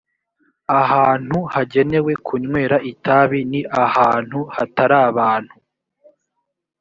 ahantu hagenewe kunywera itabi ni ahantu hatarabantu.